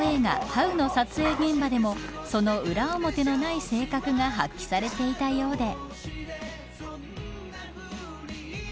ハウの撮影現場でもその裏表のない性格が発揮されていたようで。